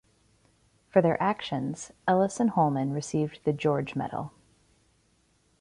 For their actions, Ellis and Holman received the George Medal.